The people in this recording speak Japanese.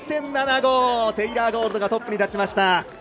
テイラー・ゴールドがトップに立ちました。